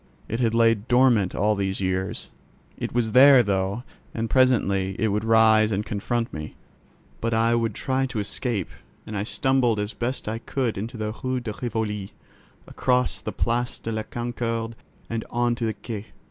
It had lain dormant all these years: it was there, though, and presently it would rise and confront me. But I would try to escape; and I stumbled as best I could into the Rue de Rivoli, across the Place de la Concorde and on to the Quai.